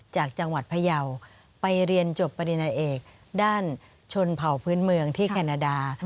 จากจังหวัดพยาวไปเรียนจบปรินาเอกด้านชนเผ่าพื้นเมืองที่แคนาดา